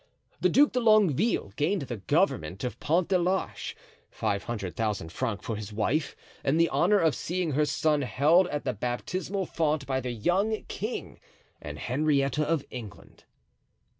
The Duc de Longueville gained the government of Pont de l'Arche, five hundred thousand francs for his wife and the honor of seeing her son held at the baptismal font by the young king and Henrietta of England.